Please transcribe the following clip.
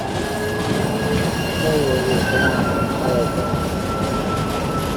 Schmoller was born in Heilbronn.